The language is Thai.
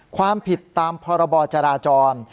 ความผิดตามพรบจราจร